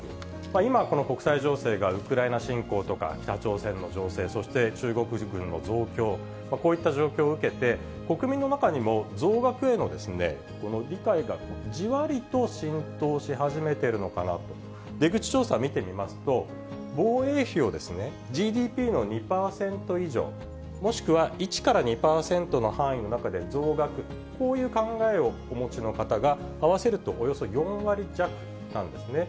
今、この国際情勢が、ウクライナ侵攻とか北朝鮮の情勢、そして中国軍の増強、こういった状況を受けて、国民の中にも増額への理解がじわりと浸透し始めているのかなと、出口調査見てみますと、防衛費をＧＤＰ比の２％以上、もしくは１から２％の範囲の中で増額、こういう考えをお持ちの方が合わせるとおよそ４割弱なんですね。